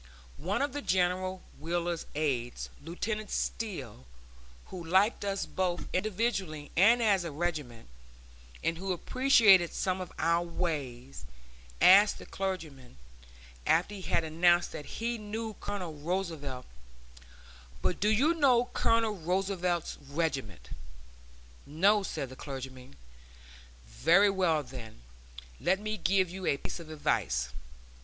One of General Wheeler's aides, Lieutenant Steele, who liked us both individually and as a regiment, and who appreciated some of our ways, asked the clergyman, after he had announced that he knew Colonel Roosevelt, "But do you know Colonel Roosevelt's regiment?" "No," said the clergyman. "Very well, then, let me give you a piece of advice.